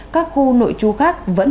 các khu nội chú khác